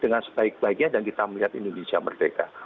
dengan sebaik baiknya dan kita melihat indonesia merdeka